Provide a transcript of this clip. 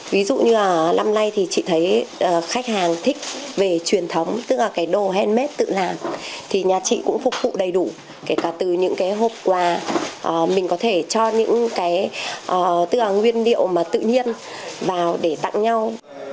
ví dụ như là năm nay thì chị thấy khách hàng thích về truyền thống tức là cái đồ handmade tự làm thì nhà chị cũng phục vụ đầy đủ kể cả từ những cái hộp quà mình có thể cho những cái tức là nguyên liệu mà tự nhiên vào để tặng nhau